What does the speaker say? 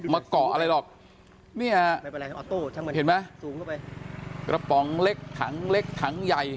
มาเกาะอะไรหรอกเนี่ยเห็นไหมสูงเข้าไปกระป๋องเล็กถังเล็กถังใหญ่